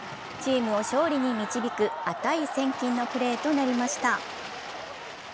チームを勝利に導く値千金のプレーとなりました。